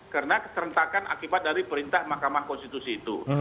karena keserentakan akibat dari perintah mahkamah konstitusi itu